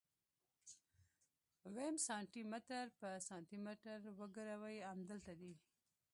ويم سانتي متر په سانتي متر وګروئ امدلته دي.